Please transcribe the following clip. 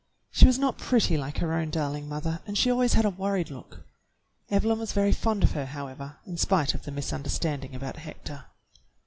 She was not pretty like her own darling mother, and she always had a worried look. Evelyn was very fond of her, however, in spite of the misunderstanding about Hector.